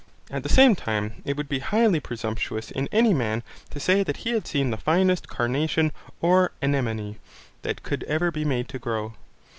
At the same time it would be highly presumptuous in any man to say that he had seen the finest carnation or anemone that could ever be made to grow.